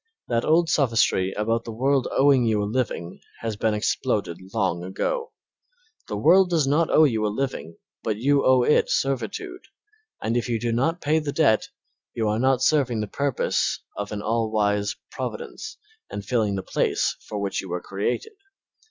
That old sophistry about the world owing you a living has been exploded long ago. The world does not owe you a living, but you owe it servitude, and if you do not pay the debt you are not serving the purpose of an all wise Providence and filling the place for which you were created.